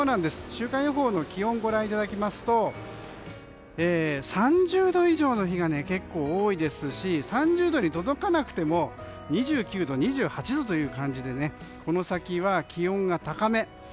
週間予報の気温ご覧いただきますと３０度以上の日が結構、多いですし３０度に届かなくても２９度、２８度という感じでこの先は気温が高め。